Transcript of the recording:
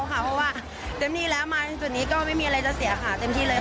เพราะว่าเต็มที่แล้วมาถึงจุดนี้ก็ไม่มีอะไรจะเสียขาเต็มที่เลย